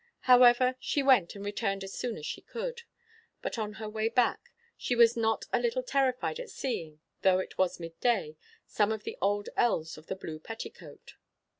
However, she went and returned as soon as she could;' but on her way back she was 'not a little terrified at seeing, though it was midday, some of the old elves of the blue petticoat.'